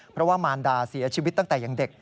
เพราะว่ามารดาเสียชีวิตตั้งแต่ยังเด็ก